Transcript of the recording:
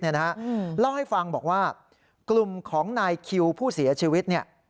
เล่าให้ฟังบอกว่ากลุ่มของนายคิวผู้เสียชีวิต